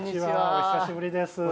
お久しぶりです。